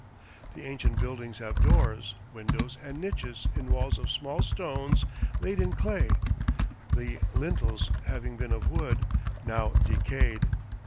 The ancient buildings have doors, windows, and niches in walls of small stones laid in clay, the lintels having been of wood, now decayed.